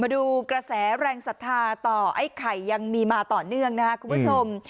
ดูกระแสแรงศรัทธาต่อไอ้ไข่ยังมีมาต่อเนื่องนะครับคุณผู้ชม